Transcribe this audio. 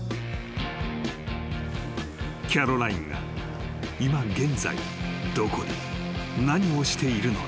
［キャロラインが今現在どこで何をしているのか？］